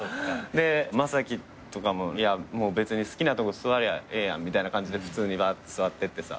で将暉とかも「別に好きなとこ座りゃええやん」みたいな感じで普通にばーって座ってってさ。